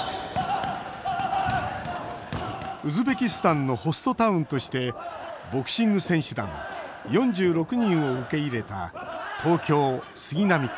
ウズベキスタンのホストタウンとしてボクシング選手団４６人を受け入れた東京・杉並区。